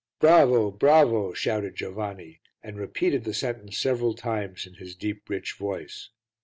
"Bravo, bravo!" shouted Giovanni, and repeated the sentence several times in his deep, rich voice.